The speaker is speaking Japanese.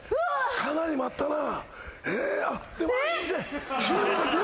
かなり待ったな。